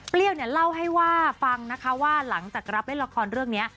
เปรี้ยวเนี้ยเล่าให้ว่าฟังนะคะว่าหลังจากรับเล่นละครเรื่องเนี้ย